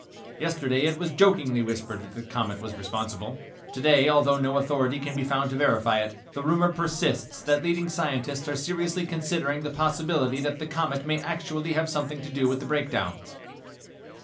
"Yesterday it was jokingly whispered that the comet was responsible. Today, although no authority can be found to verify it, the rumor persists that leading scientists are seriously considering the possibility that the comet may actually have something to do with the breakdowns."